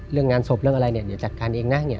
เรื่องงานศพเรื่องอะไรเนี่ยจัดการเองนะเนี่ย